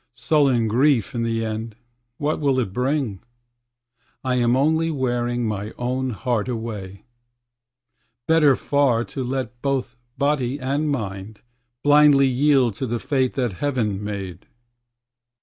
Sullen grief, in the end, what will it bring? I am only wearing my own heart away. Better far to let both body and mind Blindly yield to the fate that Heaven made.